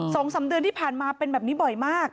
สองสามเดือนที่ผ่านมาเป็นแบบนี้บ่อยมาก